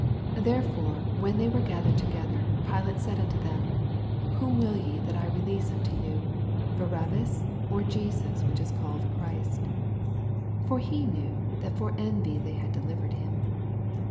17 Therefore when they were gath ered together, Pilate said unto tnem. Whom will ye that I release unto Tou? Barabbas, or Jesus which is caUed Christ? 18 For he knew that for envy they had delivered him.